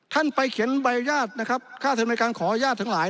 ข้าธรรมเนียมของดูญาติทั้งหลาย